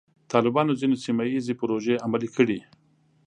طالبانو ځینې سیمه ییزې پروژې عملي کړې.